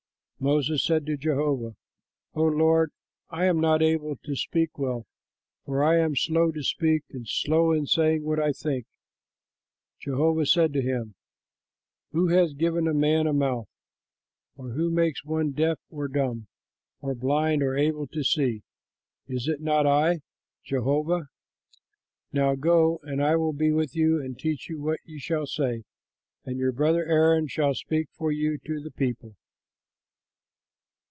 Moses said to Jehovah, "O, Lord I am not able to speak well; for I am slow to speak and slow in saying what I think." Jehovah said to him, "Who has given man a mouth? Or who makes one deaf or dumb, or blind or able to see? Is it not I, Jehovah? Now go, and I will be with you and teach you what you shall say; and your brother Aaron shall speak for you to the people."